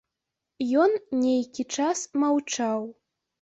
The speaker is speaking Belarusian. Ён нейкі час маўчаў.